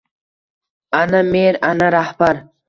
— Ana mer, ana rahbar!